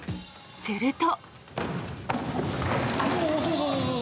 すると。